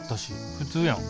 普通やん。